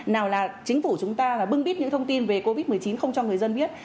nào là chính phủ chúng ta là bưng bít những thông tin về covid một mươi chín không cho người dân biết